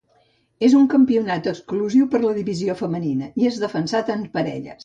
És un campionat exclusiu per la divisió femenina i és defensat en parelles.